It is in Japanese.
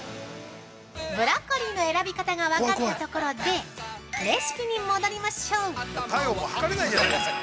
◆ブロッコリーの選び方が分かったとろでレシピに戻りましょう。